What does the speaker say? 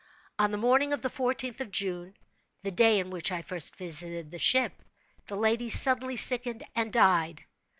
On the morning of the fourteenth of June (the day in which I first visited the ship), the lady suddenly sickened and died.